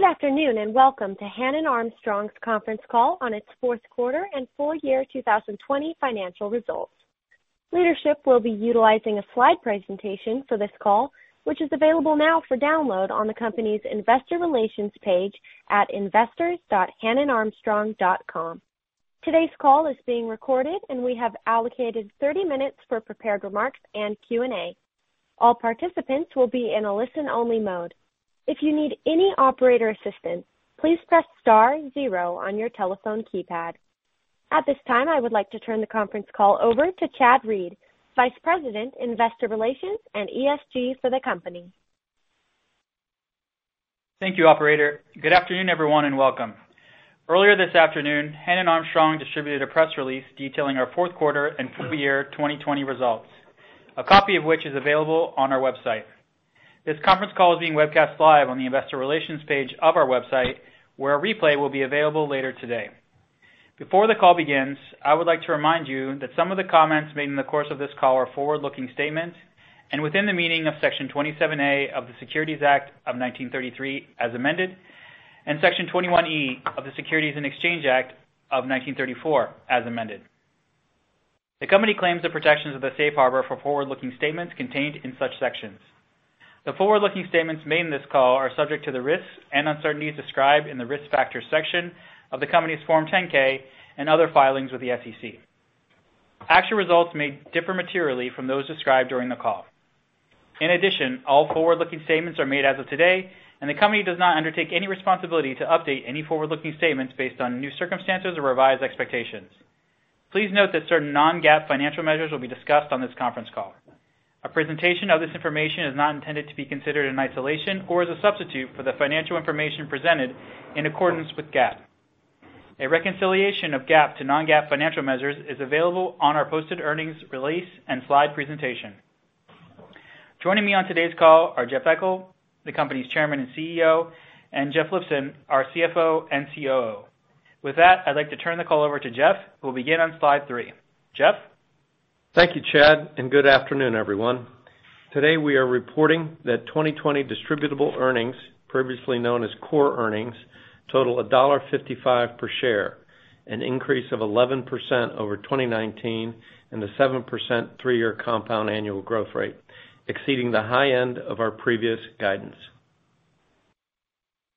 Good afternoon, and welcome to Hannon Armstrong's conference call on its fourth quarter and full year 2020 financial results. Leadership will be utilizing a slide presentation for this call, which is available now for download on the company's investor relations page at investors.hannonarmstrong.com. Today's call is being recorded, and we have allocated 30 minutes for prepared remarks and Q&A. All participants will be in a listen-only mode. If you need any operator assistance, please press star zero on your telephone keypad. At this time, I would like to turn the conference call over to Chad Reed, Vice President, Investor Relations and ESG for the company. Thank you, operator. Good afternoon, everyone, and welcome. Earlier this afternoon, Hannon Armstrong distributed a press release detailing our fourth quarter and full year 2020 results. A copy of which is available on our website. This conference call is being webcast live on the investor relations page of our website, where a replay will be available later today. Before the call begins, I would like to remind you that some of the comments made in the course of this call are forward-looking statements and within the meaning of Section 27A of the Securities Act of 1933, as amended, and Section 21E of the Securities Exchange Act of 1934, as amended. The forward-looking statements made in this call are subject to the risks and uncertainties described in the risk factors section of the company's Form 10-K and other filings with the SEC. Actual results may differ materially from those described during the call. In addition, all forward-looking statements are made as of today, and the company does not undertake any responsibility to update any forward-looking statements based on new circumstances or revised expectations. Please note that certain non-GAAP financial measures will be discussed on this conference call. A presentation of this information is not intended to be considered in isolation or as a substitute for the financial information presented in accordance with GAAP. A reconciliation of GAAP to non-GAAP financial measures is available on our posted earnings release and slide presentation. Joining me on today's call are Jeff Eckel, the company's Chairman and CEO, and Jeff Lipson, our CFO and COO. With that, I'd like to turn the call over to Jeff, who will begin on slide three. Jeff? Thank you, Chad, and good afternoon, everyone. Today, we are reporting that 2020 distributable earnings, previously known as core earnings, total $1.55 per share, an increase of 11% over 2019 and a 7% three-year compound annual growth rate, exceeding the high end of our previous guidance.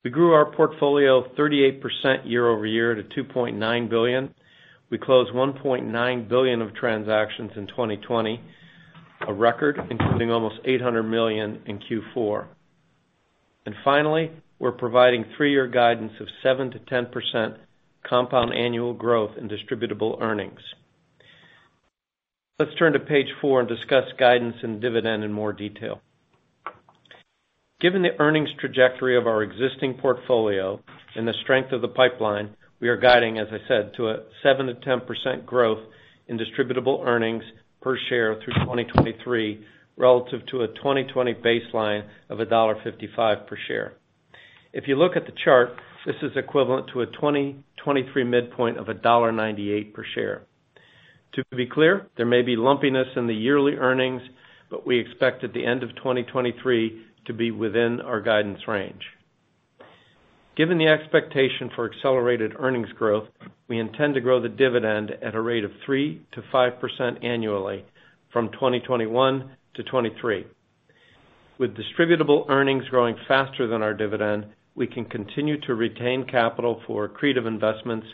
We grew our portfolio 38% year-over-year to $2.9 billion. We closed $1.9 billion of transactions in 2020, a record, including almost $800 million in Q4. Finally, we are providing three-year guidance of 7%-10% compound annual growth in distributable earnings. Let's turn to page four and discuss guidance and dividend in more detail. Given the earnings trajectory of our existing portfolio and the strength of the pipeline, we are guiding, as I said, to a 7%-10% growth in distributable earnings per share through 2023 relative to a 2020 baseline of $1.55 per share. If you look at the chart, this is equivalent to a 2023 midpoint of $1.98 per share. To be clear, there may be lumpiness in the yearly earnings, but we expect at the end of 2023 to be within our guidance range. Given the expectation for accelerated earnings growth, we intend to grow the dividend at a rate of 3%-5% annually from 2021 to 2023. With distributable earnings growing faster than our dividend, we can continue to retain capital for accretive investments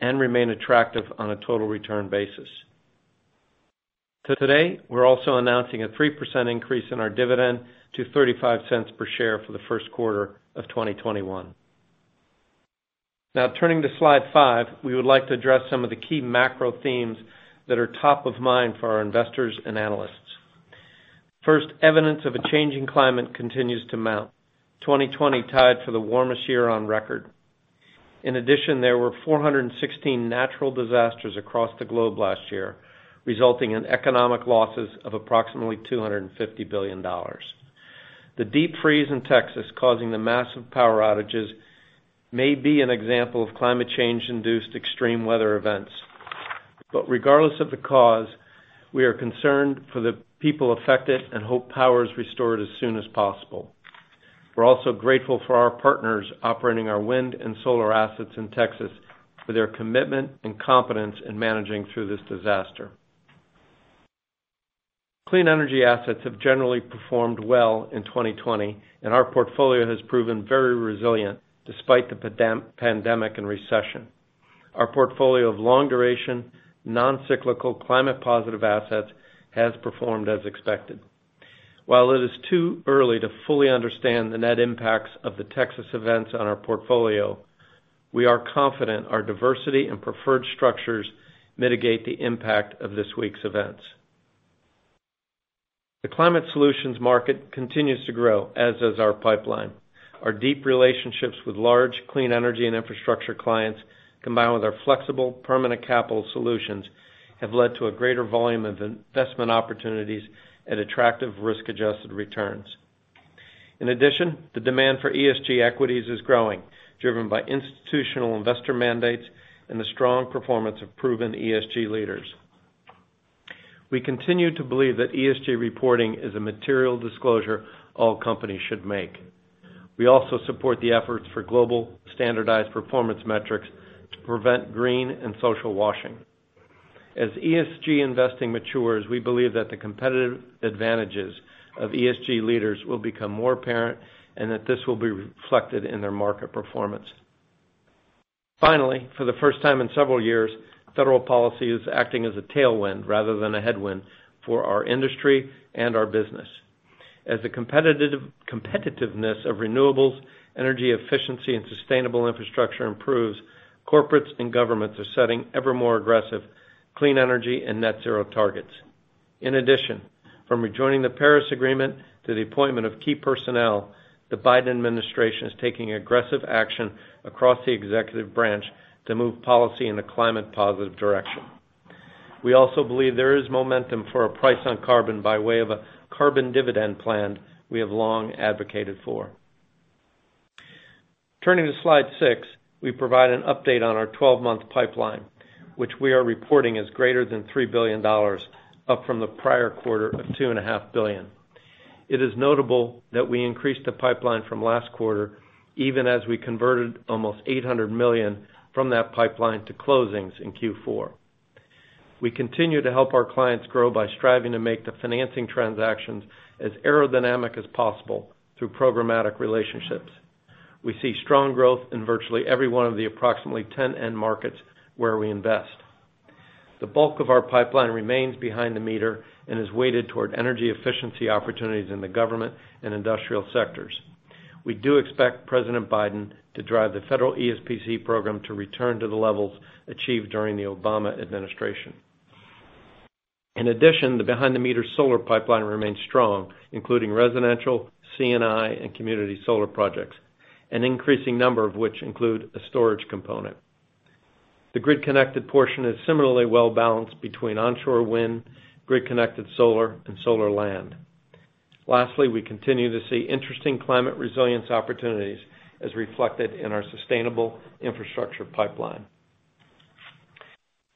and remain attractive on a total return basis. Today, we are also announcing a 3% increase in our dividend to $0.35 per share for the first quarter of 2021. Turning to slide five, we would like to address some of the key macro themes that are top of mind for our investors and analysts. First, evidence of a changing climate continues to mount. 2020 tied for the warmest year on record. In addition, there were 416 natural disasters across the globe last year, resulting in economic losses of approximately $250 billion. The deep freeze in Texas causing the massive power outages may be an example of climate change-induced extreme weather events. Regardless of the cause, we are concerned for the people affected and hope power is restored as soon as possible. We are also grateful for our partners operating our wind and solar assets in Texas for their commitment and competence in managing through this disaster. Clean energy assets have generally performed well in 2020, and our portfolio has proven very resilient despite the pandemic and recession. Our portfolio of long-duration, non-cyclical, climate-positive assets has performed as expected. While it is too early to fully understand the net impacts of the Texas events on our portfolio, we are confident our diversity and preferred structures mitigate the impact of this week's events. The climate solutions market continues to grow, as does our pipeline. Our deep relationships with large clean energy and infrastructure clients, combined with our flexible permanent capital solutions, have led to a greater volume of investment opportunities at attractive risk-adjusted returns. In addition, the demand for ESG equities is growing, driven by institutional investor mandates and the strong performance of proven ESG leaders. We continue to believe that ESG reporting is a material disclosure all companies should make. We also support the efforts for global standardized performance metrics to prevent green and social washing. As ESG investing matures, we believe that the competitive advantages of ESG leaders will become more apparent, and that this will be reflected in their market performance. Finally, for the first time in several years, federal policy is acting as a tailwind rather than a headwind for our industry and our business. As the competitiveness of renewables, energy efficiency, and sustainable infrastructure improves, corporates and governments are setting ever more aggressive clean energy and net zero targets. In addition, from rejoining the Paris Agreement to the appointment of key personnel, the Biden administration is taking aggressive action across the executive branch to move policy in a climate-positive direction. We also believe there is momentum for a price on carbon by way of a carbon dividend plan we have long advocated for. Turning to slide six, we provide an update on our 12-month pipeline, which we are reporting is greater than $3 billion, up from the prior quarter of $2.5 billion. It is notable that we increased the pipeline from last quarter, even as we converted almost $800 million from that pipeline to closings in Q4. We continue to help our clients grow by striving to make the financing transactions as aerodynamic as possible through programmatic relationships. We see strong growth in virtually every one of the approximately 10 end markets where we invest. The bulk of our pipeline remains behind the meter and is weighted toward energy efficiency opportunities in the government and industrial sectors. We do expect President Biden to drive the federal ESPC program to return to the levels achieved during the Obama administration. In addition, the behind-the-meter solar pipeline remains strong, including residential, C&I, and community solar projects, an increasing number of which include a storage component. The grid-connected portion is similarly well-balanced between onshore wind, grid-connected solar, and solar land. Lastly, we continue to see interesting climate resilience opportunities as reflected in our sustainable infrastructure pipeline.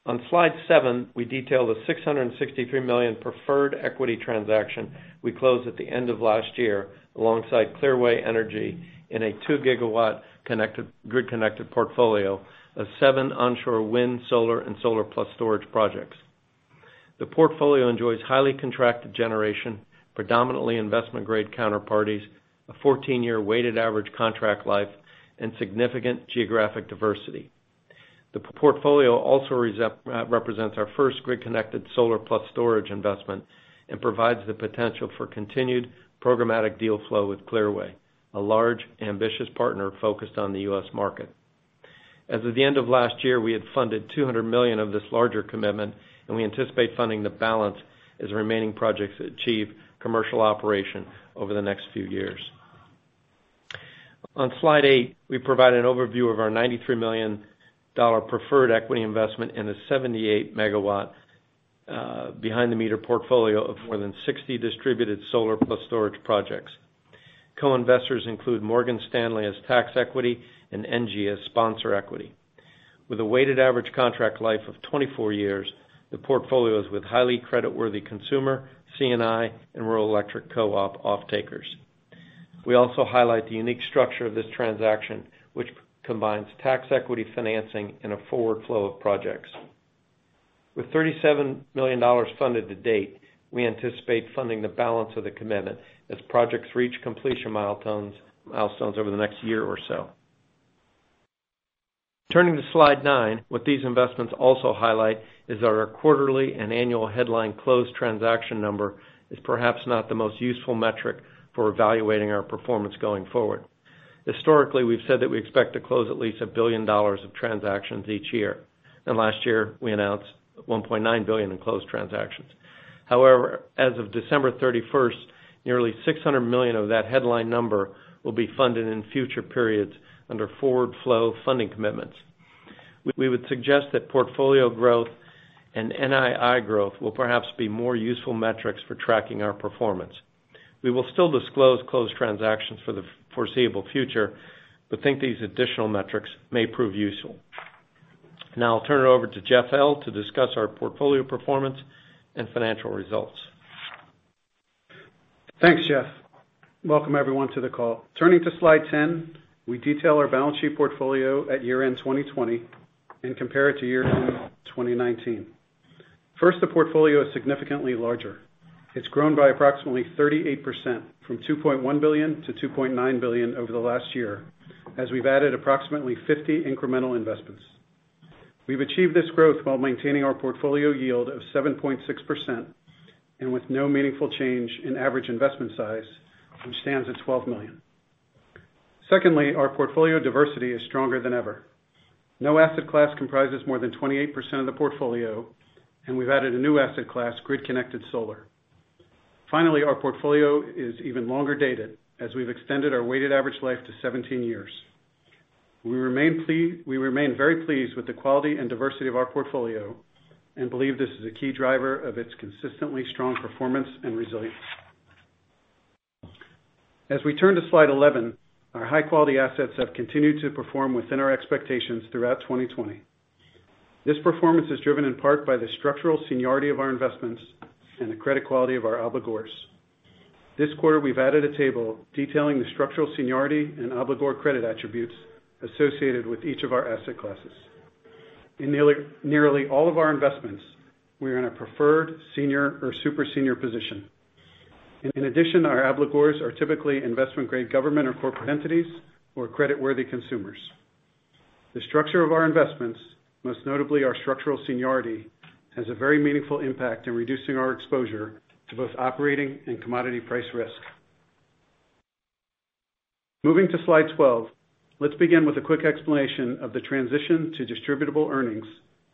On slide seven, we detail the $663 million preferred equity transaction we closed at the end of last year alongside Clearway Energy in a two-gigawatt grid-connected portfolio of seven onshore wind, solar, and solar plus storage projects. The portfolio enjoys highly contracted generation, predominantly investment-grade counterparties, a 14-year weighted average contract life, and significant geographic diversity. The portfolio also represents our first grid-connected solar plus storage investment and provides the potential for continued programmatic deal flow with Clearway, a large ambitious partner focused on the U.S. market. As of the end of last year, we had funded $200 million of this larger commitment, and we anticipate funding the balance as remaining projects achieve commercial operation over the next few years. On slide eight, we provide an overview of our $93 million preferred equity investment in a 78-megawatt behind-the-meter portfolio of more than 60 distributed solar plus storage projects. Co-investors include Morgan Stanley as tax equity and NG as sponsor equity. With a weighted average contract life of 24 years, the portfolio is with highly creditworthy consumer, C&I, and rural electric co-op off-takers. We also highlight the unique structure of this transaction, which combines tax equity financing and a forward flow of projects. With $37 million funded to date, we anticipate funding the balance of the commitment as projects reach completion milestones over the next year or so. Turning to slide nine, what these investments also highlight is that our quarterly and annual headline closed transaction number is perhaps not the most useful metric for evaluating our performance going forward. Historically, we've said that we expect to close at least $1 billion of transactions each year. Last year, we announced $1.9 billion in closed transactions. However, as of December 31st, nearly $600 million of that headline number will be funded in future periods under forward flow funding commitments. We would suggest that portfolio growth and NII growth will perhaps be more useful metrics for tracking our performance. We will still disclose closed transactions for the foreseeable future, but think these additional metrics may prove useful. Now I'll turn it over to Jeff L. to discuss our portfolio performance and financial results. Thanks, Jeff. Welcome, everyone, to the call. Turning to slide 10, we detail our balance sheet portfolio at year-end 2020 and compare it to year-end 2019. First, the portfolio is significantly larger. It's grown by approximately 38%, from $2.1 billion to $2.9 billion over the last year, as we've added approximately 50 incremental investments. We've achieved this growth while maintaining our portfolio yield of 7.6% and with no meaningful change in average investment size, which stands at $12 million. Secondly, our portfolio diversity is stronger than ever. No asset class comprises more than 28% of the portfolio, and we've added a new asset class, grid-connected solar. Finally, our portfolio is even longer dated, as we've extended our weighted average life to 17 years. We remain very pleased with the quality and diversity of our portfolio and believe this is a key driver of its consistently strong performance and resilience. As we turn to slide 11, our high-quality assets have continued to perform within our expectations throughout 2020. This performance is driven in part by the structural seniority of our investments and the credit quality of our obligors. This quarter, we've added a table detailing the structural seniority and obligor credit attributes associated with each of our asset classes. In nearly all of our investments, we are in a preferred senior or super senior position. In addition, our obligors are typically investment-grade government or corporate entities, or credit-worthy consumers. The structure of our investments, most notably our structural seniority, has a very meaningful impact in reducing our exposure to both operating and commodity price risk. Moving to slide 12, let's begin with a quick explanation of the transition to distributable earnings,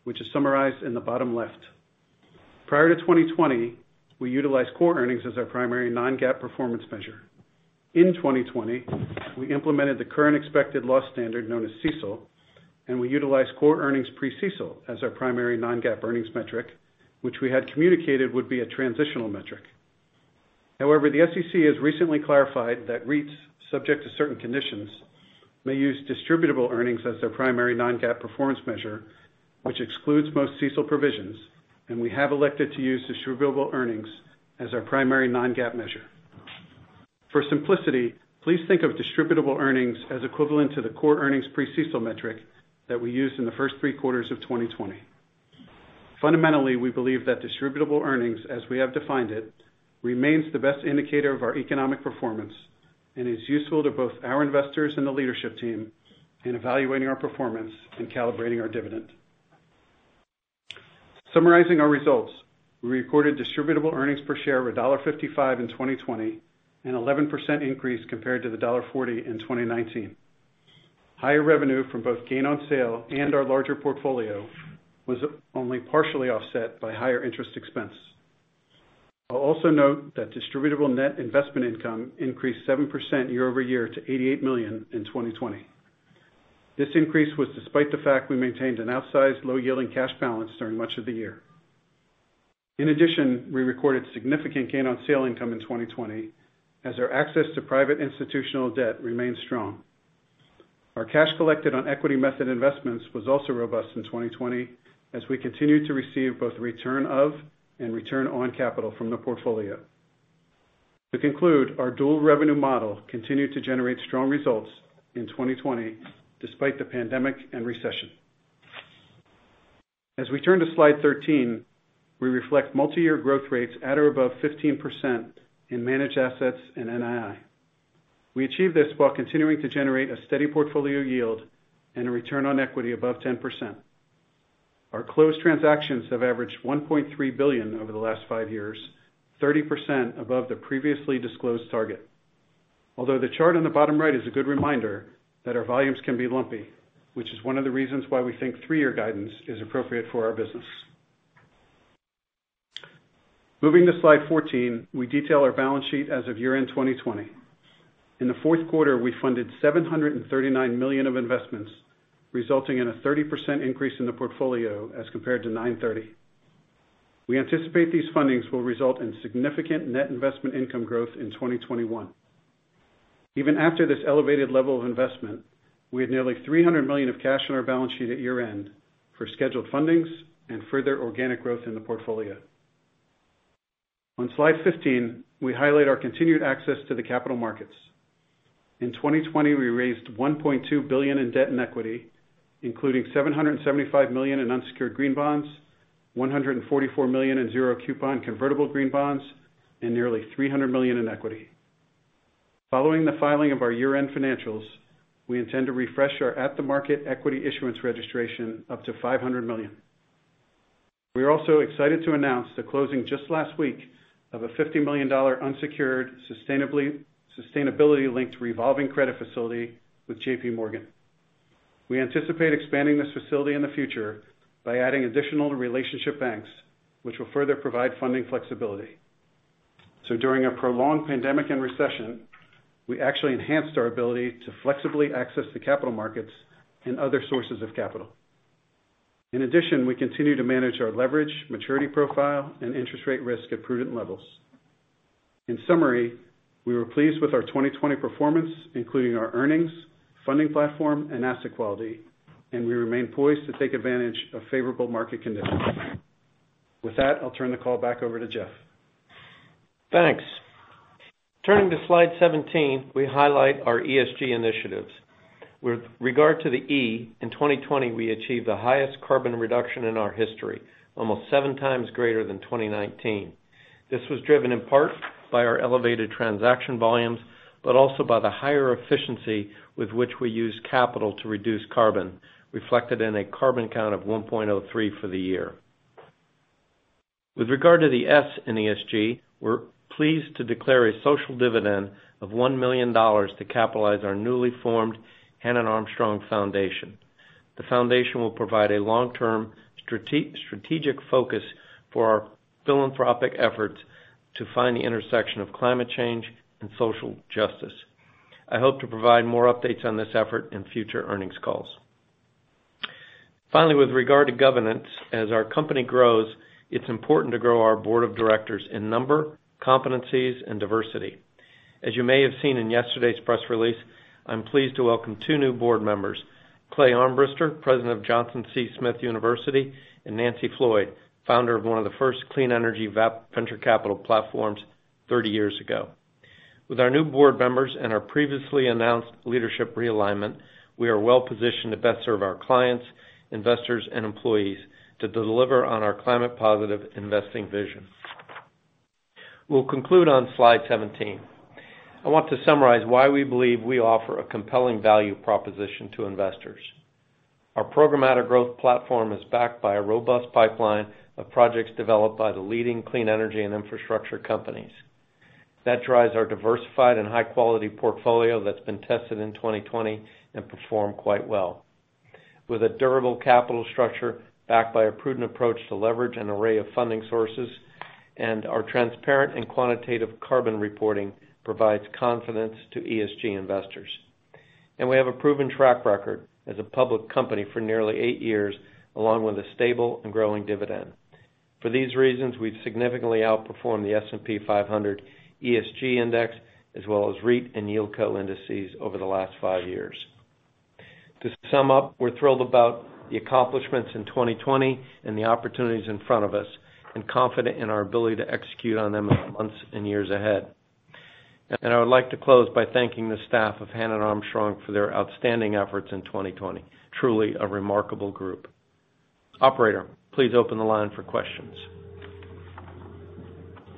which is summarized in the bottom left. Prior to 2020, we utilized core earnings as our primary non-GAAP performance measure. In 2020, we implemented the current expected loss standard known as CECL, and we utilized core earnings pre-CECL as our primary non-GAAP earnings metric, which we had communicated would be a transitional metric. However, the SEC has recently clarified that REITs, subject to certain conditions, may use distributable earnings as their primary non-GAAP performance measure, which excludes most CECL provisions, and we have elected to use distributable earnings as our primary non-GAAP measure. For simplicity, please think of distributable earnings as equivalent to the core earnings pre-CECL metric that we used in the first three quarters of 2020. Fundamentally, we believe that distributable earnings, as we have defined it, remains the best indicator of our economic performance and is useful to both our investors and the leadership team in evaluating our performance and calibrating our dividend. Summarizing our results, we recorded distributable earnings per share of $1.55 in 2020, an 11% increase compared to the $1.40 in 2019. Higher revenue from both gain on sale and our larger portfolio was only partially offset by higher interest expense. I'll also note that distributable net investment income increased 7% year-over-year to $88 million in 2020. This increase was despite the fact we maintained an outsized low-yielding cash balance during much of the year. In addition, we recorded significant gain on sale income in 2020 as our access to private institutional debt remained strong. Our cash collected on equity method investments was also robust in 2020 as we continued to receive both return of and return on capital from the portfolio. To conclude, our dual revenue model continued to generate strong results in 2020 despite the pandemic and recession. As we turn to slide 13, we reflect multi-year growth rates at or above 15% in managed assets and NII. We achieved this while continuing to generate a steady portfolio yield and a return on equity above 10%. Our closed transactions have averaged $1.3 billion over the last five years, 30% above the previously disclosed target. Although the chart on the bottom right is a good reminder that our volumes can be lumpy, which is one of the reasons why we think three-year guidance is appropriate for our business. Moving to slide 14, we detail our balance sheet as of year-end 2020. In the fourth quarter, we funded $739 million of investments, resulting in a 30% increase in the portfolio as compared to $930 million. We anticipate these fundings will result in significant net investment income growth in 2021. Even after this elevated level of investment, we had nearly $300 million of cash on our balance sheet at year-end for scheduled fundings and further organic growth in the portfolio. On slide 15, we highlight our continued access to the capital markets. In 2020, we raised $1.2 billion in debt and equity, including $775 million in unsecured green bonds, $144 million in zero coupon convertible green bonds, and nearly $300 million in equity. Following the filing of our year-end financials, we intend to refresh our at-the-market equity issuance registration up to $500 million. We are also excited to announce the closing just last week of a $50 million unsecured, sustainability-linked revolving credit facility with JP Morgan. We anticipate expanding this facility in the future by adding additional relationship banks, which will further provide funding flexibility. During a prolonged pandemic and recession, we actually enhanced our ability to flexibly access the capital markets and other sources of capital. In addition, we continue to manage our leverage, maturity profile, and interest rate risk at prudent levels. In summary, we were pleased with our 2020 performance, including our earnings, funding platform, and asset quality, and we remain poised to take advantage of favorable market conditions. With that, I'll turn the call back over to Jeff. Thanks. Turning to slide 17, we highlight our ESG initiatives. With regard to the E, in 2020, we achieved the highest carbon reduction in our history, almost seven times greater than 2019. This was driven in part by our elevated transaction volumes, but also by the higher efficiency with which we used capital to reduce carbon, reflected in a CarbonCount of 1.03 for the year. With regard to the S in ESG, we are pleased to declare a social dividend of $1 million to capitalize our newly formed Hannon Armstrong Foundation. The foundation will provide a long-term strategic focus for our philanthropic efforts to find the intersection of climate change and social justice. I hope to provide more updates on this effort in future earnings calls. With regard to governance, as our company grows, it is important to grow our board of directors in number, competencies, and diversity. As you may have seen in yesterday's press release, I am pleased to welcome two new board members, Clay Armbrister, President of Johnson C. Smith University, and Nancy Floyd, founder of one of the first clean energy venture capital platforms 30 years ago. With our new board members and our previously announced leadership realignment, we are well-positioned to best serve our clients, investors, and employees to deliver on our climate positive investing vision. We will conclude on slide 17. I want to summarize why we believe we offer a compelling value proposition to investors. Our programmatic growth platform is backed by a robust pipeline of projects developed by the leading clean energy and infrastructure companies. That drives our diversified and high-quality portfolio that has been tested in 2020 and performed quite well. With a durable capital structure backed by a prudent approach to leverage an array of funding sources, our transparent and quantitative carbon reporting provides confidence to ESG investors. We have a proven track record as a public company for nearly eight years, along with a stable and growing dividend. For these reasons, we have significantly outperformed the S&P 500 ESG Index, as well as REIT and yieldco indices over the last five years. To sum up, we are thrilled about the accomplishments in 2020 and the opportunities in front of us, confident in our ability to execute on them in the months and years ahead. I would like to close by thanking the staff of Hannon Armstrong for their outstanding efforts in 2020. Truly a remarkable group. Operator, please open the line for questions.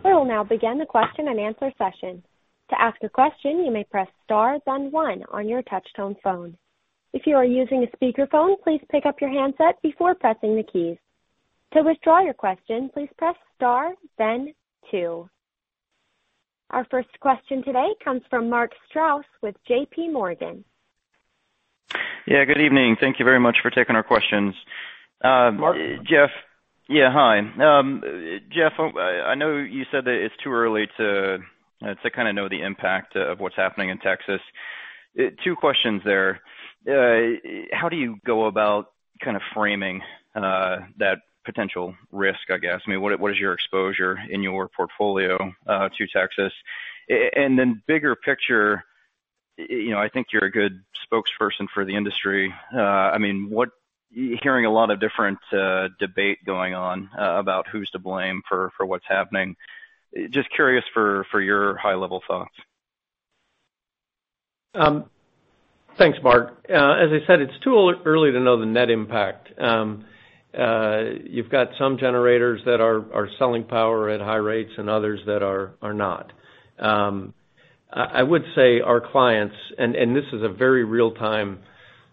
We will now begin the question and answer session. To ask a question, you may press star then one on your touch tone phone. If you are using a speakerphone, please pick up your handset before pressing the keys. To withdraw your question, please press star then two. Our first question today comes from Mark Strouse with JPMorgan. Yeah, good evening. Thank you very much for taking our questions. Mark. Jeff. Yeah, hi. Jeff, I know you said that it's too early to kind of know the impact of what's happening in Texas. Two questions there. How do you go about kind of framing that potential risk, I guess? What is your exposure in your portfolio to Texas? Then bigger picture, I think you're a good spokesperson for the industry. Hearing a lot of different debate going on about who's to blame for what's happening. Just curious for your high-level thoughts. Thanks, Mark. As I said, it's too early to know the net impact. You've got some generators that are selling power at high rates and others that are not. I would say our clients, this is a very real-time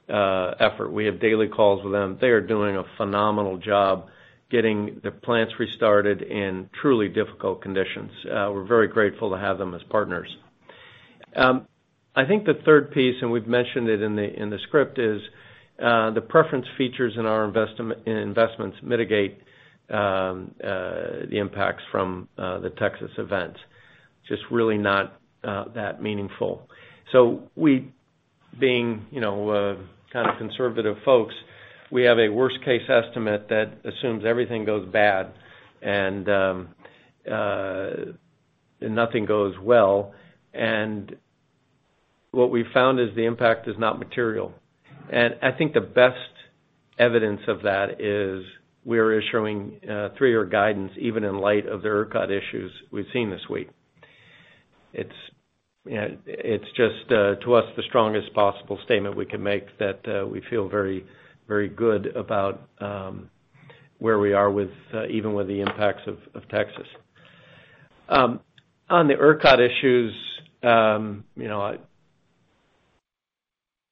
effort. We have daily calls with them. They are doing a phenomenal job getting the plants restarted in truly difficult conditions. We're very grateful to have them as partners. I think the third piece, we've mentioned it in the script, is the preference features in our investments mitigate the impacts from the Texas events. Just really not that meaningful. We, being kind of conservative folks, we have a worst case estimate that assumes everything goes bad and nothing goes well. What we've found is the impact is not material. I think the best evidence of that is we're issuing three-year guidance, even in light of the ERCOT issues we've seen this week. It's just, to us, the strongest possible statement we can make that we feel very good about where we are, even with the impacts of Texas. On the ERCOT issues,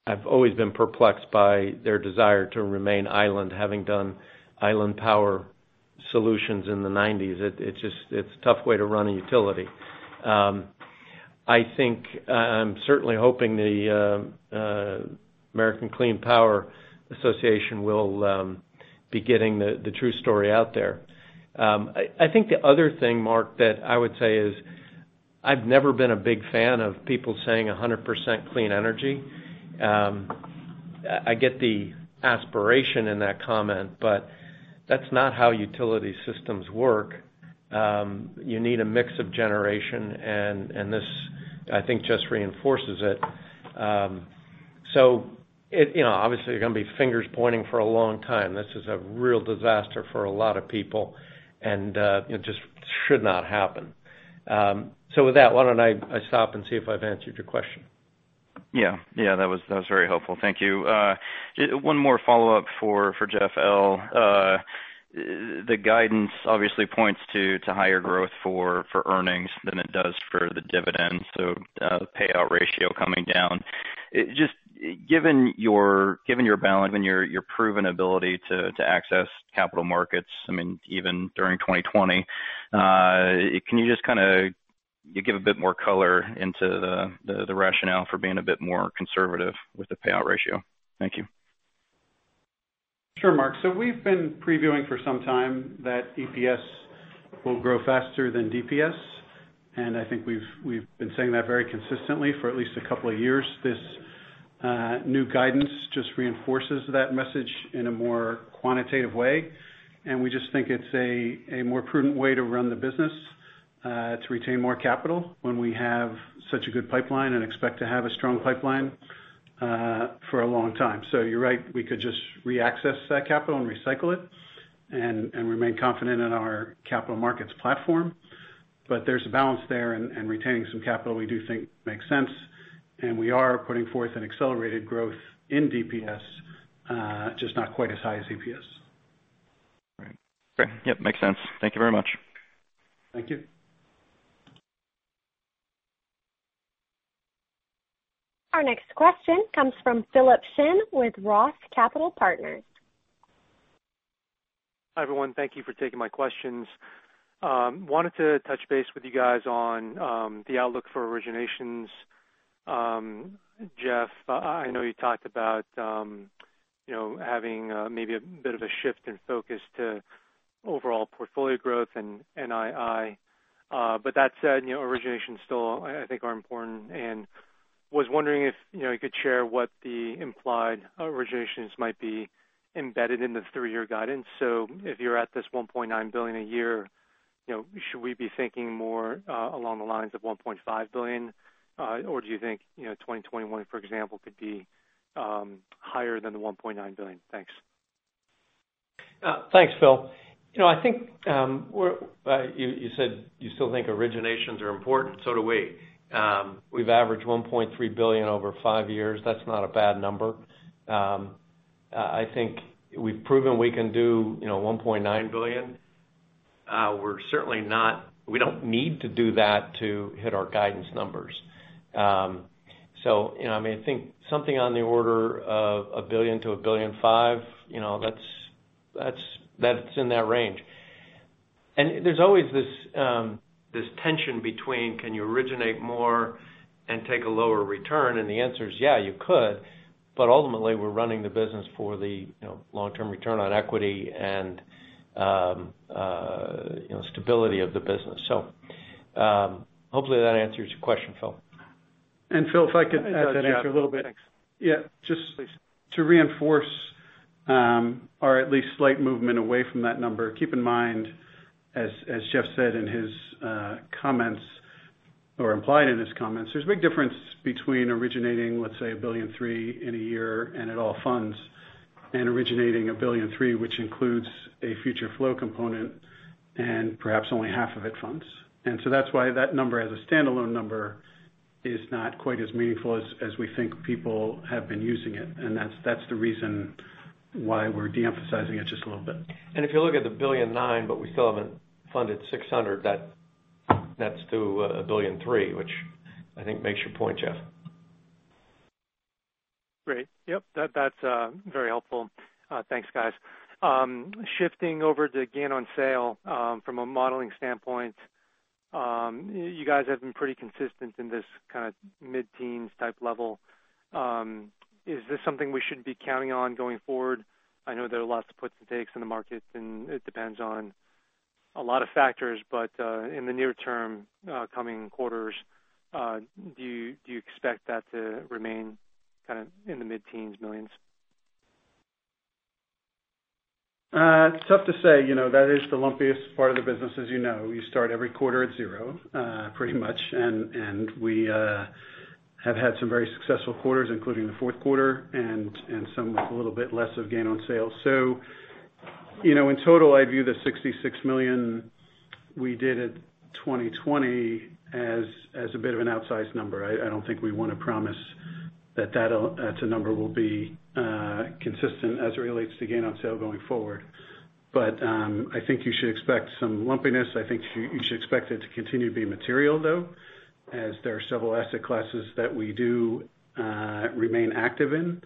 I've always been perplexed by their desire to remain island, having done island power solutions in the '90s. It's a tough way to run a utility. I'm certainly hoping the American Clean Power Association will be getting the true story out there. I think the other thing, Mark, that I would say is I've never been a big fan of people saying 100% clean energy. I get the aspiration in that comment, but that's not how utility systems work. You need a mix of generation, this, I think, just reinforces it. Obviously, there are going to be fingers pointing for a long time. This is a real disaster for a lot of people, and it just should not happen. With that, why don't I stop and see if I've answered your question. Yeah. That was very helpful. Thank you. One more follow-up for Jeff L. The guidance obviously points to higher growth for earnings than it does for the dividend. The payout ratio coming down. Given your balance and your proven ability to access capital markets, even during 2020, can you just kind of give a bit more color into the rationale for being a bit more conservative with the payout ratio? Thank you. Sure, Mark. We've been previewing for some time that EPS will grow faster than DPS. I think we've been saying that very consistently for at least a couple of years. This new guidance just reinforces that message in a more quantitative way, and we just think it's a more prudent way to run the business to retain more capital when we have such a good pipeline and expect to have a strong pipeline for a long time. You're right, we could just reaccess that capital and recycle it and remain confident in our capital markets platform. There's a balance there, and retaining some capital we do think makes sense, and we are putting forth an accelerated growth in DPS, just not quite as high as EPS. Right. Okay. Yep, makes sense. Thank you very much. Thank you. Our next question comes from Philip Shen with ROTH Capital Partners. Hi, everyone. Thank you for taking my questions. Wanted to touch base with you guys on the outlook for originations. Jeff, I know you talked about having maybe a bit of a shift in focus to overall portfolio growth and NII. That said, originations still, I think, are important, and was wondering if you could share what the implied originations might be embedded in the three-year guidance. If you're at this $1.9 billion a year, should we be thinking more along the lines of $1.5 billion? Or do you think 2021, for example, could be higher than the $1.9 billion? Thanks. Thanks, Phil. I think you said you still think originations are important. Do we. We've averaged $1.3 billion over five years. That's not a bad number. I think we've proven we can do $1.9 billion. We don't need to do that to hit our guidance numbers. I think something on the order of $1 billion-$1.5 billion, that's in that range. There's always this tension between can you originate more and take a lower return? The answer is, yeah, you could, but ultimately, we're running the business for the long-term return on equity and stability of the business. Hopefully that answers your question, Phil. Phil, if I could add to that answer a little bit. Thanks. Yeah. Please To reinforce our at least slight movement away from that number. Keep in mind, as Jeff said in his comments or implied in his comments, there's a big difference between originating, let's say, $1.3 billion in a year and at all funds, and originating $1.3 billion, which includes a forward flow component and perhaps only half of it funds. So that's why that number as a standalone number is not quite as meaningful as we think people have been using it. That's the reason why we're de-emphasizing it just a little bit. If you look at the $1.9 billion, we still haven't funded $600, that's still $1.3 billion, which I think makes your point, Jeff. Great. Yep. That's very helpful. Thanks, guys. Shifting over to gain on sale from a modeling standpoint. You guys have been pretty consistent in this kind of mid-teens type level. Is this something we should be counting on going forward? I know there are lots of puts and takes in the market, and it depends on a lot of factors, but in the near term coming quarters, do you expect that to remain kind of in the mid-teens millions? It's tough to say. That is the lumpiest part of the business, as you know. You start every quarter at zero pretty much. We have had some very successful quarters, including the fourth quarter, and some with a little bit less of gain on sale. In total, I view the $66 million we did at 2020 as a bit of an outsized number. I don't think we want to promise that that number will be consistent as it relates to gain on sale going forward. I think you should expect some lumpiness. I think you should expect it to continue to be material, though, as there are several asset classes that we do remain active in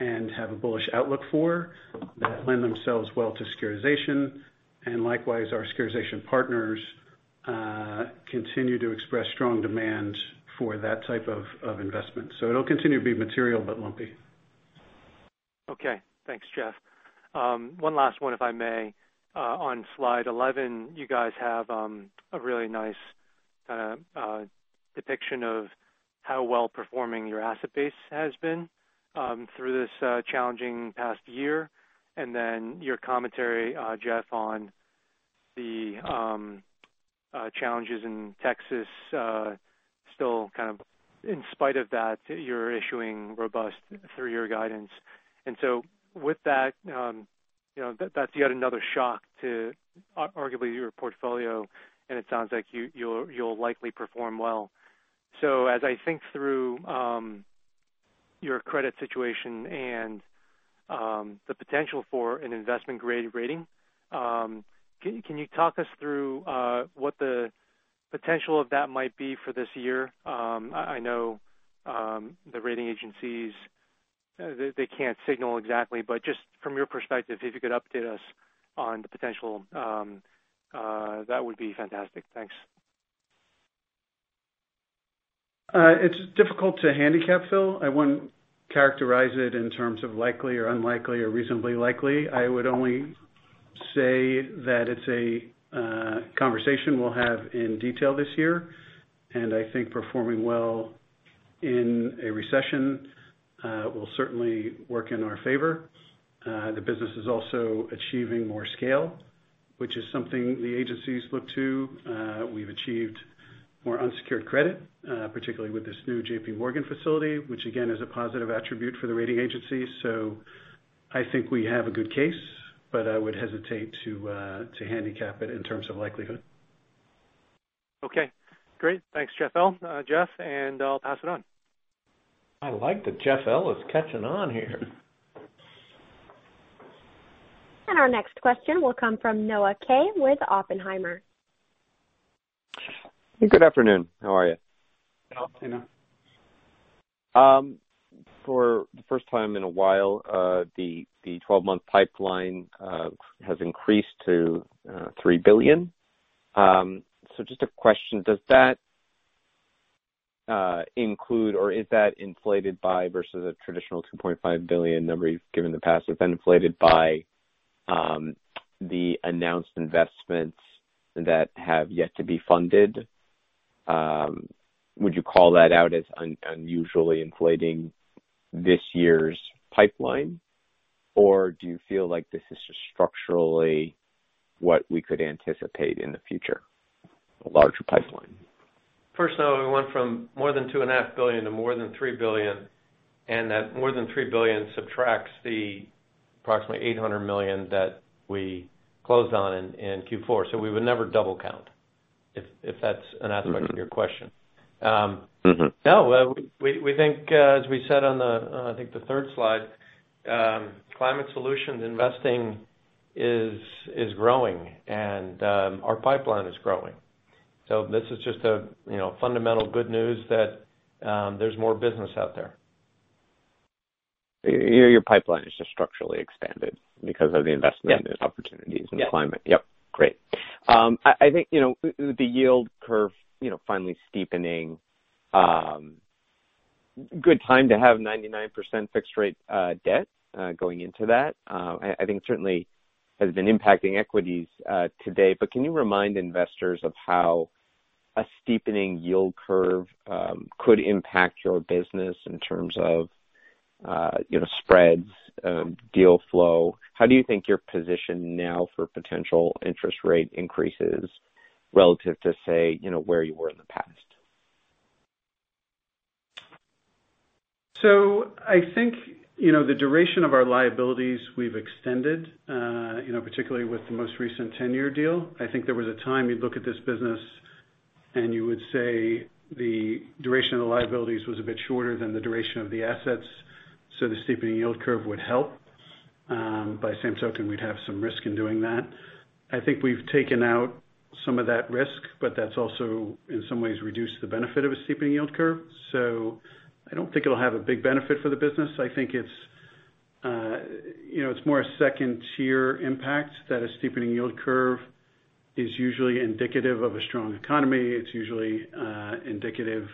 and have a bullish outlook for that lend themselves well to securitization. Likewise, our securitization partners continue to express strong demand for that type of investment. It'll continue to be material, but lumpy. Okay. Thanks, Jeff. One last one, if I may. On slide 11, you guys have a really nice depiction of how well-performing your asset base has been through this challenging past year. Your commentary, Jeff, on the challenges in Texas, still kind of in spite of that, you're issuing robust three-year guidance. With that's yet another shock to arguably your portfolio, and it sounds like you'll likely perform well. As I think through your credit situation and the potential for an investment-grade rating, can you talk us through what the potential of that might be for this year? I know the rating agencies, they can't signal exactly, but just from your perspective, if you could update us on the potential, that would be fantastic. Thanks. It's difficult to handicap, Phil. I wouldn't characterize it in terms of likely or unlikely or reasonably likely. I would only say that it's a conversation we'll have in detail this year, and I think performing well in a recession will certainly work in our favor. The business is also achieving more scale, which is something the agencies look to. We've achieved more unsecured credit, particularly with this new JPMorgan facility, which again, is a positive attribute for the rating agencies. I think we have a good case, but I would hesitate to handicap it in terms of likelihood. Okay. Great. Thanks, Jeff L. Jeff. I'll pass it on. I like that Jeff L. is catching on here. Our next question will come from Noah Kaye with Oppenheimer. Good afternoon. How are you? Good afternoon. For the first time in a while, the 12-month pipeline has increased to $3 billion. Just a question, does that include, or is that inflated by versus a traditional $2.5 billion number you've given in the past? Is that inflated by the announced investments that have yet to be funded? Would you call that out as unusually inflating this year's pipeline? Or do you feel like this is just structurally what we could anticipate in the future, a larger pipeline? First, Noah, we went from more than $2.5 billion to more than $3 billion, and that more than $3 billion subtracts the approximately $800 million that we closed on in Q4. We would never double count if that's an aspect of your question. No. We think, as we said on the, I think the third slide, climate solutions investing is growing and our pipeline is growing. This is just a fundamental good news that there's more business out there. Your pipeline is just structurally expanded because of the investment- Yeah opportunities in climate. Yeah. Yep. Great. I think, the yield curve finally steepening. Good time to have 99% fixed rate debt going into that. I think certainly has been impacting equities today. Can you remind investors of how a steepening yield curve could impact your business in terms of spreads, deal flow? How do you think your position now for potential interest rate increases relative to, say, where you were in the past? I think the duration of our liabilities we've extended, particularly with the most recent 10-year deal. I think there was a time you'd look at this business and you would say the duration of the liabilities was a bit shorter than the duration of the assets, the steepening yield curve would help. By the same token, we'd have some risk in doing that. I think we've taken out some of that risk, that's also in some ways reduced the benefit of a steepening yield curve. I don't think it'll have a big benefit for the business. I think it's more a second-tier impact that a steepening yield curve is usually indicative of a strong economy. It's usually indicative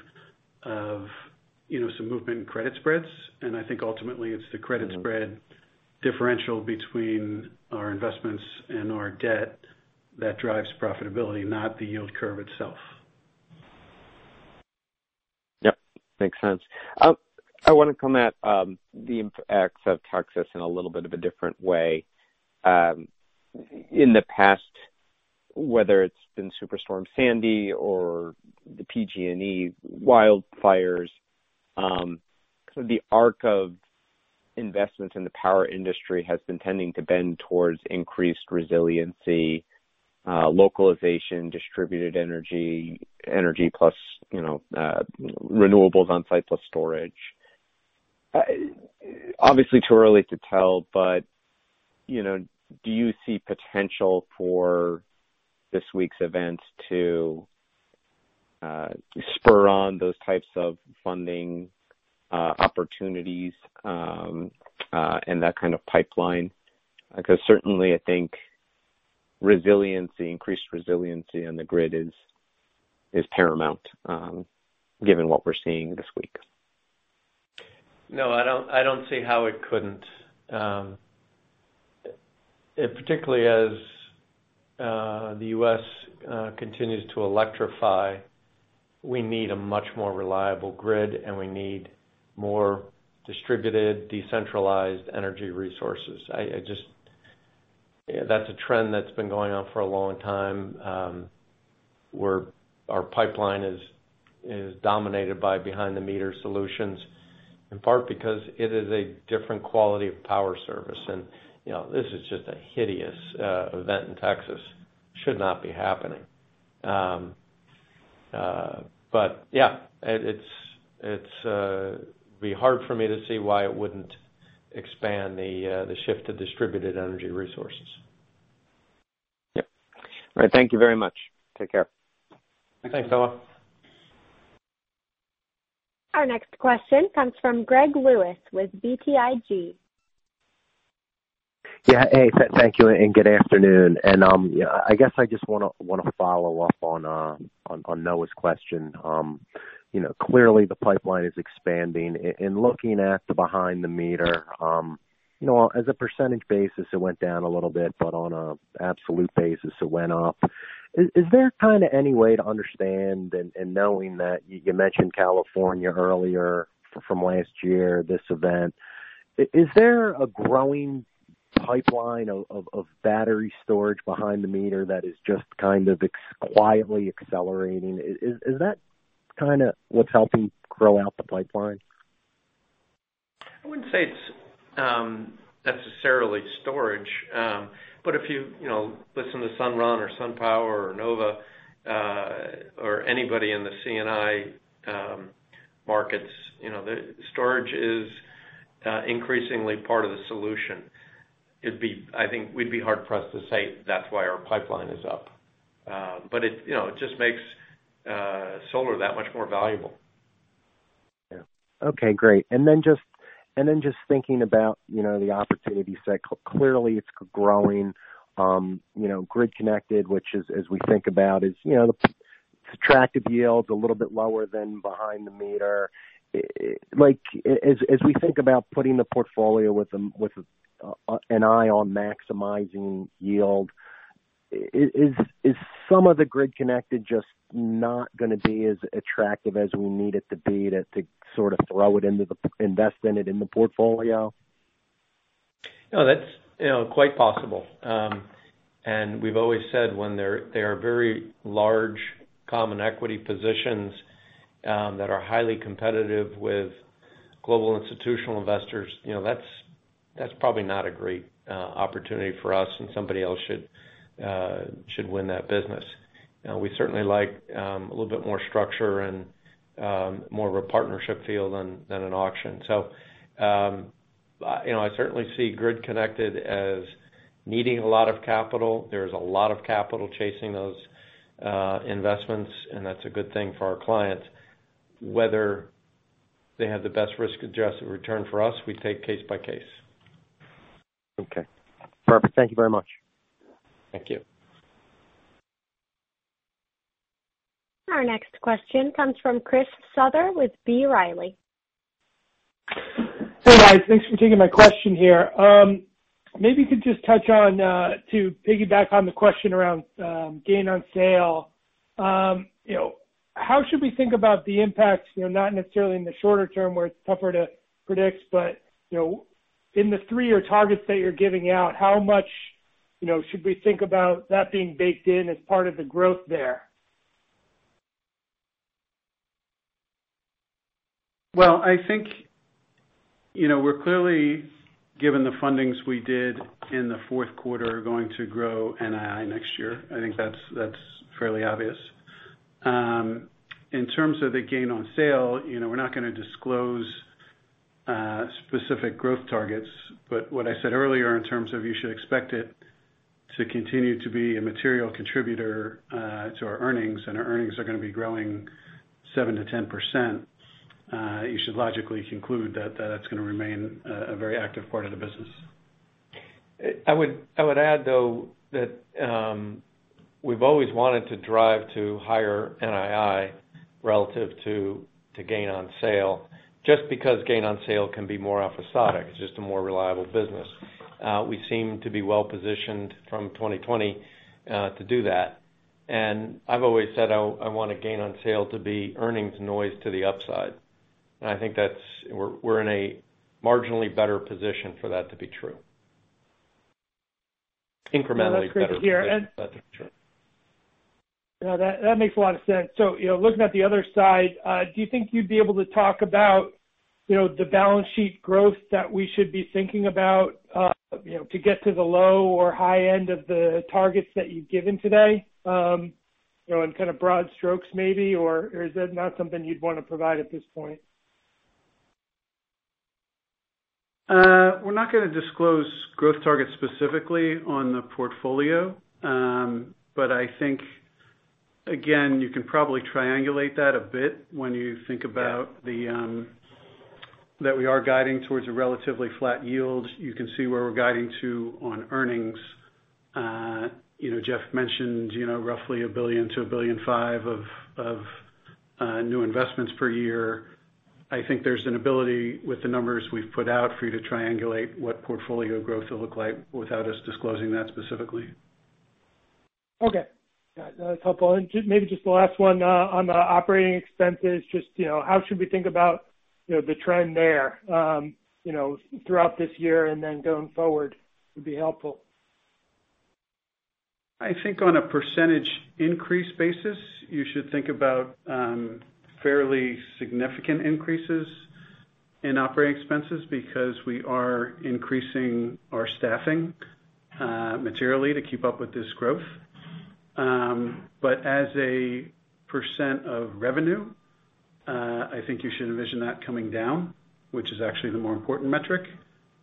of some movement in credit spreads, I think ultimately it's the credit spread differential between our investments and our debt that drives profitability, not the yield curve itself. Yep, makes sense. I want to come at the impacts of Texas in a little bit of a different way. In the past, whether it's been Superstorm Sandy or the PG&E wildfires, the arc of investments in the power industry has been tending to bend towards increased resiliency, localization, distributed energy plus renewables on site plus storage. Obviously, too early to tell, do you see potential for this week's events to spur on those types of funding opportunities, and that kind of pipeline? Certainly I think increased resiliency on the grid is paramount, given what we're seeing this week. No, I don't see how it couldn't. Particularly as the U.S. continues to electrify, we need a much more reliable grid, we need more distributed, decentralized energy resources. That's a trend that's been going on for a long time, where our pipeline is dominated by behind-the-meter solutions, in part because it is a different quality of power service. This is just a hideous event in Texas. Should not be happening. Yeah, it'd be hard for me to see why it wouldn't expand the shift to distributed energy resources. Yep. All right. Thank you very much. Take care. Thanks, Noah. Our next question comes from Greg Lewis with BTIG. Yeah. Hey, thank you, and good afternoon. I guess I just want to follow up on Noah's question. Clearly the pipeline is expanding. In looking at the behind the meter, as a percentage basis, it went down a little bit, but on an absolute basis, it went up. Is there any way to understand, knowing that you mentioned California earlier from last year, this event, is there a growing pipeline of battery storage behind the meter that is just quietly accelerating? Is that what's helping grow out the pipeline? I wouldn't say it's necessarily storage. If you listen to Sunrun or SunPower or Sunnova, or anybody in the C&I markets, storage is increasingly part of the solution. I think we'd be hard-pressed to say that's why our pipeline is up. It just makes solar that much more valuable. Yeah. Okay, great. Just thinking about the opportunity set, clearly it's growing grid connected, which as we think about is the attractive yield's a little bit lower than behind the meter. As we think about putting the portfolio with an eye on maximizing yield, is some of the grid connected just not going to be as attractive as we need it to be to sort of invest in it in the portfolio? No, that's quite possible. We've always said when there are very large common equity positions that are highly competitive with global institutional investors, that's probably not a great opportunity for us and somebody else should win that business. We certainly like a little bit more structure and more of a partnership feel than an auction. I certainly see grid connected as needing a lot of capital. There's a lot of capital chasing those investments, and that's a good thing for our clients. Whether they have the best risk-adjusted return for us, we take case by case. Okay. Perfect. Thank you very much. Thank you. Our next question comes from Chris Souther with B. Riley. Hey, guys. Thanks for taking my question here. Maybe you could just touch on, to piggyback on the question around gain on sale. How should we think about the impacts, not necessarily in the shorter term where it's tougher to predict, but in the three-year targets that you're giving out, how much should we think about that being baked in as part of the growth there? Well, I think we're clearly, given the fundings we did in the fourth quarter, going to grow NII next year. I think that's fairly obvious. In terms of the gain on sale, we're not going to disclose specific growth targets. What I said earlier in terms of you should expect it to continue to be a material contributor to our earnings, and our earnings are going to be growing 7%-10%. You should logically conclude that that's going to remain a very active part of the business. I would add, though, that we've always wanted to drive to higher NII relative to gain on sale, just because gain on sale can be more episodic. It's just a more reliable business. We seem to be well-positioned from 2020 to do that. I've always said I want a gain on sale to be earnings noise to the upside. I think we're in a marginally better position for that to be true. No, that's great to hear. True. No, that makes a lot of sense. Looking at the other side, do you think you'd be able to talk about the balance sheet growth that we should be thinking about to get to the low or high end of the targets that you've given today? In kind of broad strokes maybe, or is that not something you'd want to provide at this point? We're not going to disclose growth targets specifically on the portfolio. I think, again, you can probably triangulate that a bit when you think about that we are guiding towards a relatively flat yield. You can see where we're guiding to on earnings. Jeff mentioned roughly $1 billion to $1.5 billion of new investments per year. I think there's an ability with the numbers we've put out for you to triangulate what portfolio growth will look like without us disclosing that specifically. Okay. That's helpful. Maybe just the last one on the operating expenses, just how should we think about the trend there throughout this year and then going forward, would be helpful. I think on a percentage increase basis, you should think about fairly significant increases in operating expenses because we are increasing our staffing materially to keep up with this growth. As a % of revenue, I think you should envision that coming down, which is actually the more important metric.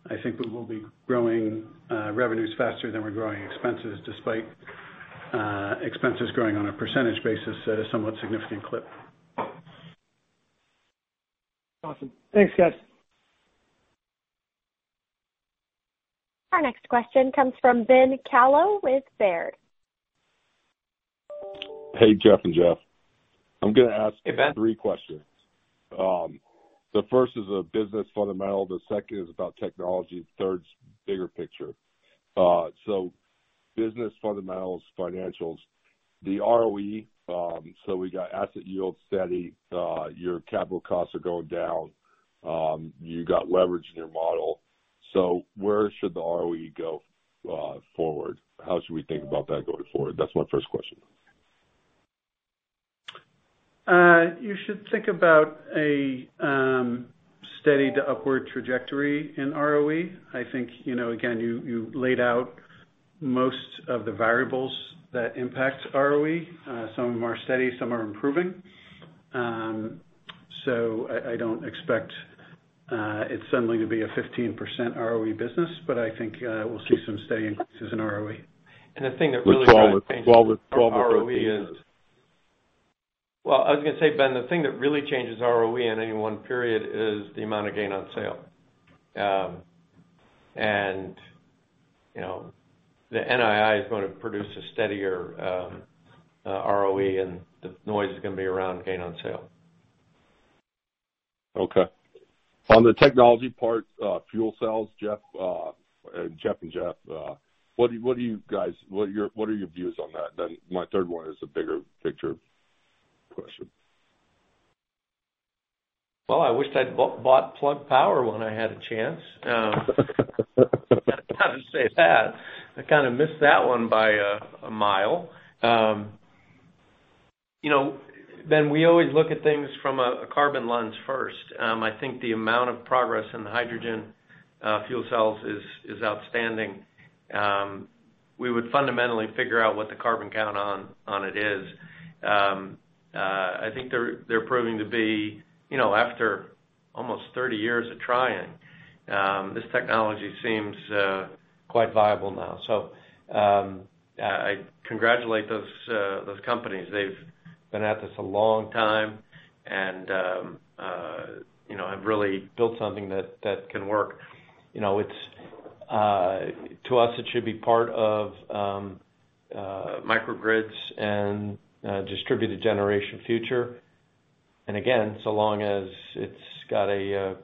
I think we will be growing revenues faster than we're growing expenses, despite expenses growing on a % basis at a somewhat significant clip. Awesome. Thanks, guys. Our next question comes from Ben Kallo with Baird. Hey, Jeff and Jeff. I'm going to. Hey, Ben. Three questions. The first is a business fundamental, the second is about technology, the third's bigger picture. Business fundamentals, financials, the ROE. We got asset yield steady. Your capital costs are going down. You got leverage in your model. Where should the ROE go forward? How should we think about that going forward? That's my first question. You should think about a steady to upward trajectory in ROE. I think, again, you laid out most of the variables that impact ROE. Some are steady, some are improving. I don't expect it suddenly to be a 15% ROE business, but I think we'll see some steady increases in ROE. The thing that really The 12 that changes ROE is Well, I was going to say, Ben, the thing that really changes ROE in any one period is the amount of gain on sale. The NII is going to produce a steadier ROE and the noise is going to be around gain on sale. Okay. On the technology part, fuel cells, Jeff and Jeff, what are your views on that? My third one is a bigger picture question. Well, I wished I'd bought Plug Power when I had a chance. How to say that? I kind of missed that one by a mile. Ben, we always look at things from a carbon lens first. I think the amount of progress in the hydrogen fuel cells is outstanding. We would fundamentally figure out what the carbon count on it is. I think they're proving to be, after almost 30 years of trying, this technology seems quite viable now. I congratulate those companies. They've been at this a long time and have really built something that can work. To us, it should be part of microgrids and distributed generation future. Again, so long as it's got an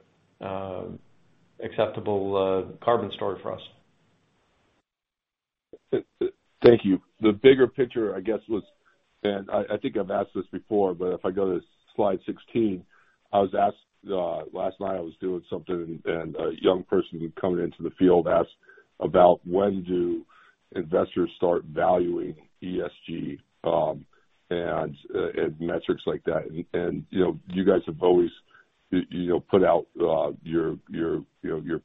acceptable carbon story for us. Thank you. The bigger picture, I guess was, I think I've asked this before, if I go to slide 16, last night I was doing something and a young person who's coming into the field asked about when do investors start valuing ESG and metrics like that. You guys have always put out your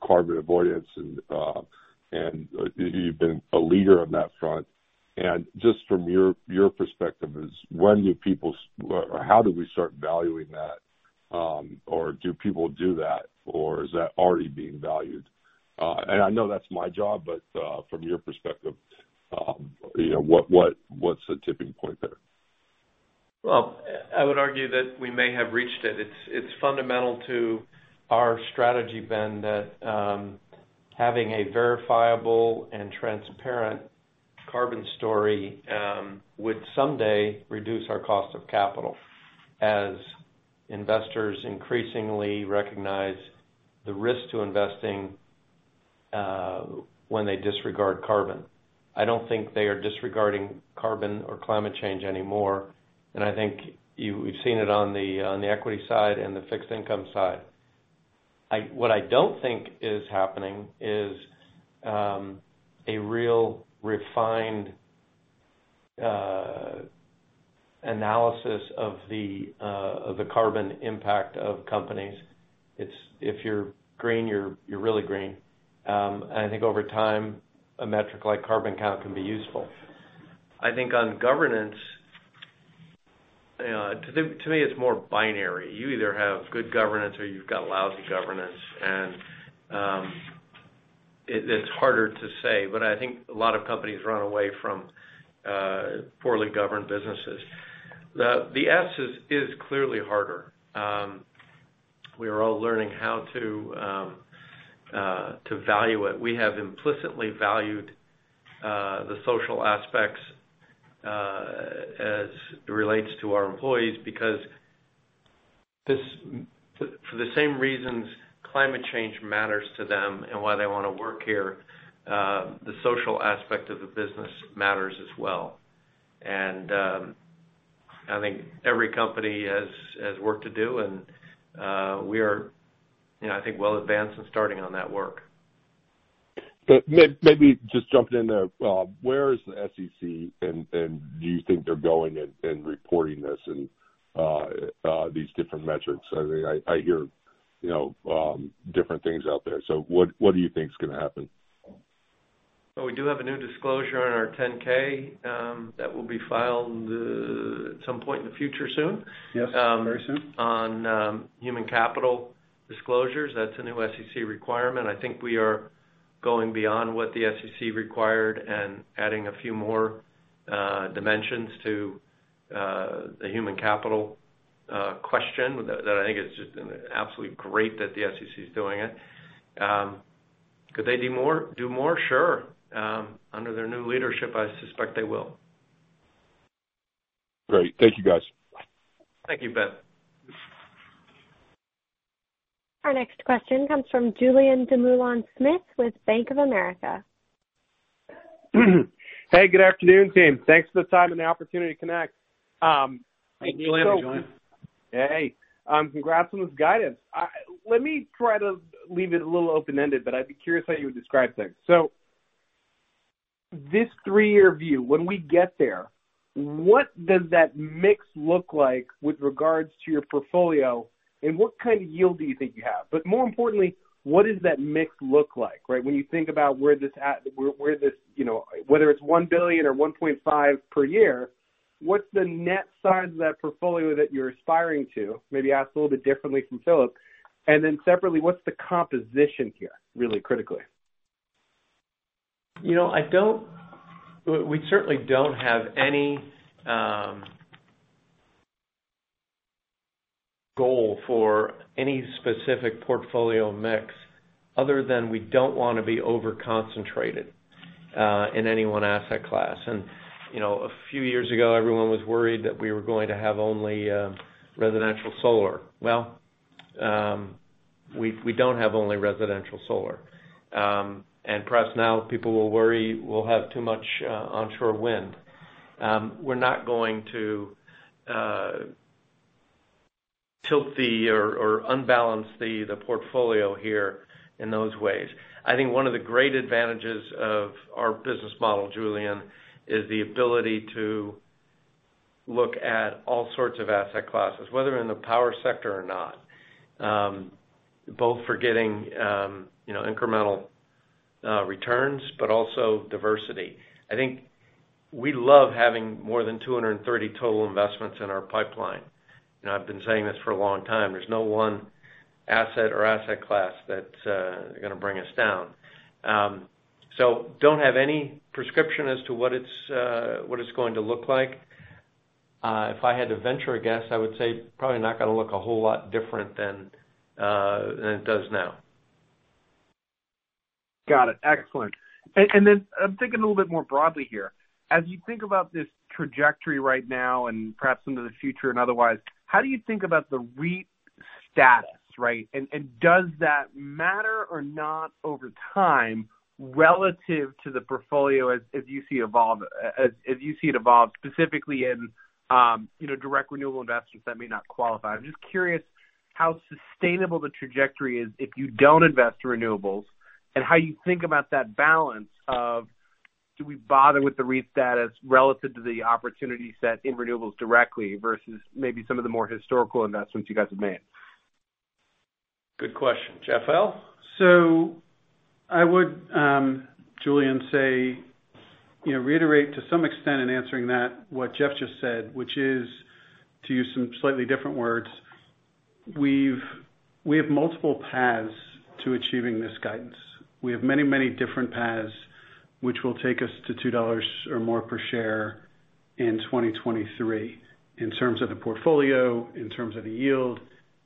carbon avoidance and you've been a leader on that front. Just from your perspective is, when do people or how do we start valuing that? Do people do that, or is that already being valued? I know that's my job, from your perspective, what's the tipping point there? Well, I would argue that we may have reached it. It's fundamental to our strategy, Ben, that having a verifiable and transparent carbon story would someday reduce our cost of capital as investors increasingly recognize the risk to investing when they disregard carbon. I don't think they are disregarding carbon or climate change anymore, I think we've seen it on the equity side and the fixed income side. What I don't think is happening is a real refined analysis of the carbon impact of companies. If you're green, you're really green. I think over time, a metric like carbon count can be useful. I think on governance, to me, it's more binary. You either have good governance or you've got lousy governance. It's harder to say, I think a lot of companies run away from poorly governed businesses. The S is clearly harder. We are all learning how to value it. We have implicitly valued the social aspects as it relates to our employees because for the same reasons climate change matters to them and why they want to work here, the social aspect of the business matters as well. I think every company has work to do, and we are I think, well advanced in starting on that work. Maybe just jumping in there, where is the SEC and do you think they're going in reporting this and these different metrics? I hear different things out there. What do you think is going to happen? Well, we do have a new disclosure on our 10-K that will be filed at some point in the future soon. Yes. Very soon. On human capital disclosures. That's a new SEC requirement. I think we are going beyond what the SEC required and adding a few more dimensions to the human capital question that I think is just absolutely great that the SEC is doing it. Could they do more? Sure. Under their new leadership, I suspect they will. Great. Thank you, guys. Thank you, Ben. Our next question comes from Julien Dumoulin-Smith with Bank of America. Hey, good afternoon, team. Thanks for the time and the opportunity to connect. Thank you, Julien. Hey. Congrats on this guidance. Let me try to leave it a little open-ended, but I'd be curious how you would describe things. This three-year view, when we get there, what does that mix look like with regards to your portfolio, and what kind of yield do you think you have? More importantly, what does that mix look like, right? When you think about whether it's $1 billion or $1.5 per year, what's the net size of that portfolio that you're aspiring to? Maybe asked a little bit differently from Philip. Separately, what's the composition here, really critically? We certainly don't have any goal for any specific portfolio mix other than we don't want to be over-concentrated in any one asset class. A few years ago, everyone was worried that we were going to have only residential solar. Well, we don't have only residential solar. Perhaps now people will worry we'll have too much onshore wind. We're not going to tilt or unbalance the portfolio here in those ways. I think one of the great advantages of our business model, Julien, is the ability to look at all sorts of asset classes, whether in the power sector or not, both for getting incremental returns, but also diversity. I think we love having more than 230 total investments in our pipeline. I've been saying this for a long time. There's no one asset or asset class that's going to bring us down. Don't have any prescription as to what it's going to look like. If I had to venture a guess, I would say probably not going to look a whole lot different than it does now. Got it. Excellent. I'm thinking a little bit more broadly here. As you think about this trajectory right now and perhaps into the future and otherwise, how do you think about the REIT status, right? Does that matter or not over time relative to the portfolio as you see it evolve, specifically in direct renewable investments that may not qualify? I'm just curious how sustainable the trajectory is if you don't invest in renewables and how you think about that balance of do we bother with the REIT status relative to the opportunity set in renewables directly versus maybe some of the more historical investments you guys have made? Good question. Jeff L? I would, Julien, reiterate to some extent in answering that, what Jeff just said, which is, to use some slightly different words, we have multiple paths to achieving this guidance. We have many different paths which will take us to $2 or more per share in 2023 in terms of the portfolio, in terms of the yield,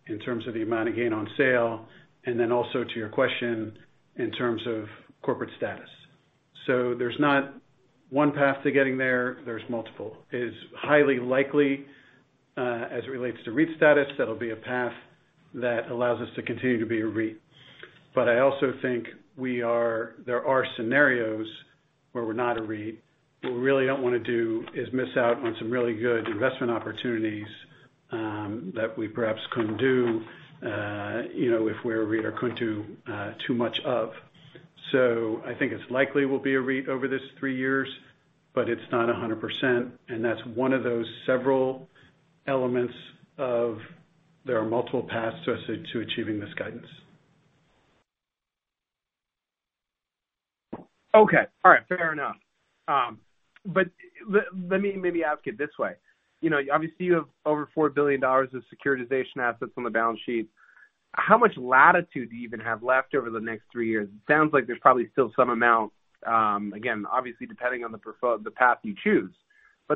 in terms of the amount of gain on sale, and then also to your question, in terms of corporate status. There's not one path to getting there. There's multiple. It is highly likely, as it relates to REIT status, that'll be a path that allows us to continue to be a REIT. I also think there are scenarios where we're not a REIT. What we really don't want to do is miss out on some really good investment opportunities that we perhaps couldn't do if we're a REIT or couldn't do too much of. I think it's likely we'll be a REIT over this three years, but it's not 100%, and that's one of those several elements of there are multiple paths to achieving this guidance. Okay. All right. Fair enough. Let me maybe ask it this way. Obviously you have over $4 billion of securitization assets on the balance sheet. How much latitude do you even have left over the next three years? It sounds like there's probably still some amount, again, obviously, depending on the path you choose.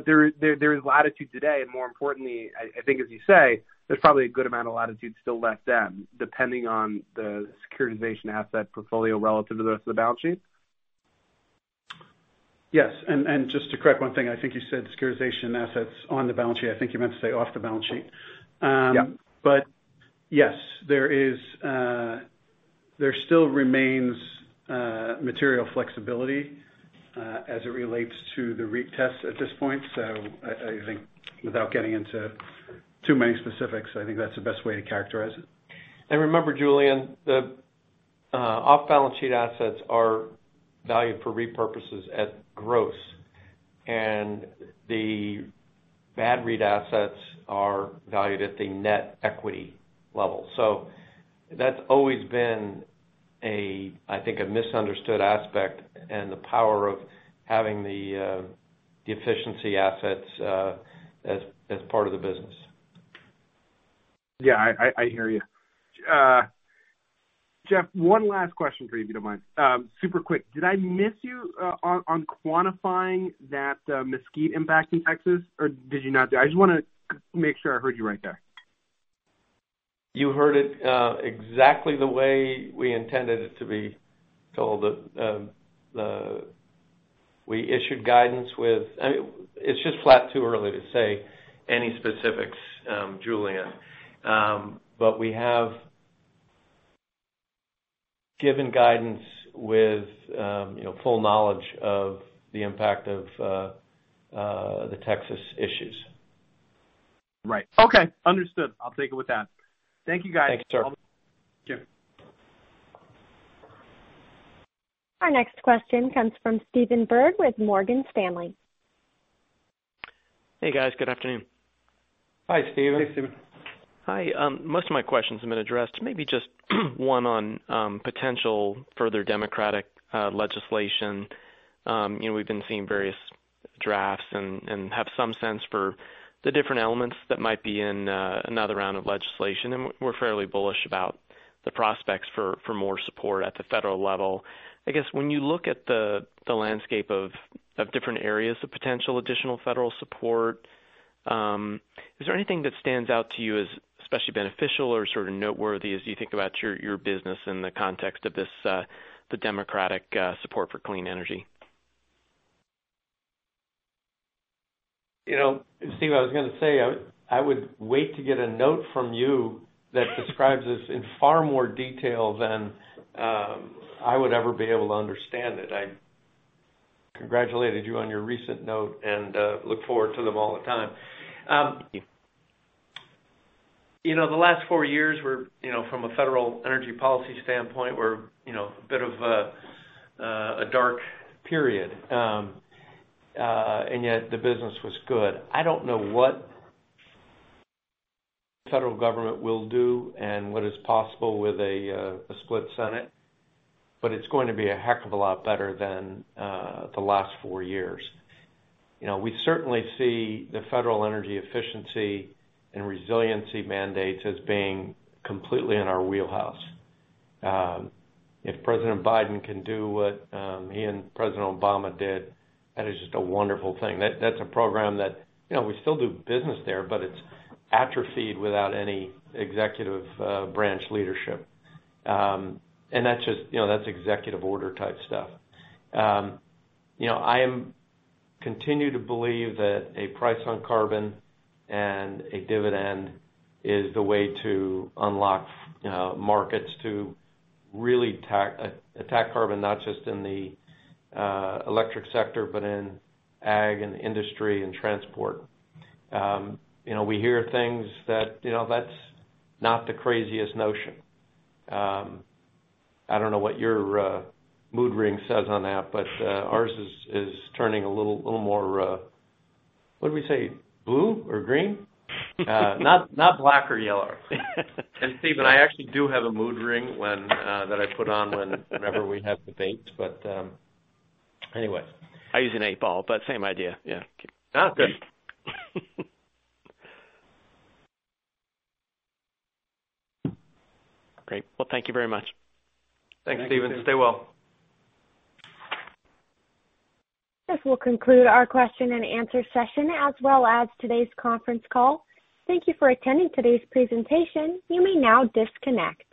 There is latitude today, and more importantly, I think as you say, there's probably a good amount of latitude still left then, depending on the securitization asset portfolio relative to the rest of the balance sheet. Yes. Just to correct one thing, I think you said securitization assets on the balance sheet. I think you meant to say off the balance sheet. Yeah. Yes, there still remains material flexibility as it relates to the REIT test at this point. I think without getting into too many specifics, I think that's the best way to characterize it. Remember, Julien, the off-balance sheet assets are valued for REIT purposes at gross, and the bad REIT assets are valued at the net equity level. That's always been, I think, a misunderstood aspect and the power of having the efficiency assets as part of the business. Yeah, I hear you. Jeff, one last question for you, if you don't mind. Super quick, did I miss you on quantifying that Mesquite impact in Texas, or did you not? I just want to make sure I heard you right there. You heard it exactly the way we intended it to be told. We issued guidance. It's just flat too early to say any specifics, Julien. We have given guidance with full knowledge of the impact of the Texas issues. Right. Okay. Understood. I'll take it with that. Thank you, guys. Thanks, sir. Jim. Our next question comes from Stephen Byrd with Morgan Stanley. Hey, guys. Good afternoon. Hi, Stephen. Hey, Stephen. Hi. Most of my questions have been addressed, maybe just one on potential further Democratic legislation. We've been seeing various drafts and have some sense for the different elements that might be in another round of legislation. We're fairly bullish about the prospects for more support at the federal level. I guess, when you look at the landscape of different areas of potential additional federal support, is there anything that stands out to you as especially beneficial or sort of noteworthy as you think about your business in the context of the Democratic support for clean energy? Stephen, I was going to say, I would wait to get a note from you that describes this in far more detail than I would ever be able to understand it. I congratulated you on your recent note and look forward to them all the time. Thank you. The last four years were, from a federal energy policy standpoint, were a bit of a dark period. Yet the business was good. I don't know what the federal government will do and what is possible with a split Senate, it's going to be a heck of a lot better than the last four years. We certainly see the federal energy efficiency and resiliency mandates as being completely in our wheelhouse. If President Biden can do what he and President Obama did, that is just a wonderful thing. That's a program that we still do business there, but it's atrophied without any executive branch leadership. That's executive order type stuff. I continue to believe that a price on carbon and a dividend is the way to unlock markets to really attack carbon, not just in the electric sector, but in ag and industry and transport. We hear things that's not the craziest notion. I don't know what your mood ring says on that, ours is turning a little more, what did we say? Blue or green? Not black or yellow. Stephen, I actually do have a mood ring that I put on whenever we have debates. Anyway. I use an eight ball, same idea, yeah. Oh, good. Great. Well, thank you very much. Thanks, Stephen. Stay well. This will conclude our question and answer session, as well as today's conference call. Thank you for attending today's presentation. You may now disconnect.